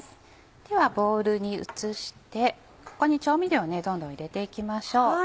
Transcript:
ではボウルに移してここに調味料をどんどん入れていきましょう。